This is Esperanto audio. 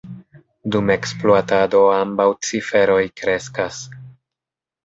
Dum ekspluatado ambaŭ ciferoj kreskas.